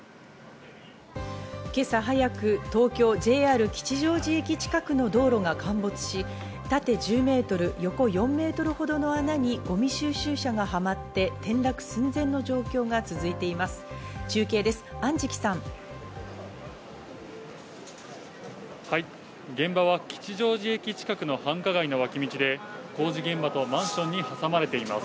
今朝早く東京・ＪＲ吉祥寺駅近くの道路が陥没し、縦１０ｍ横４ｍほどの穴にゴミ収集車がはまって、転落寸前の状況が続いています。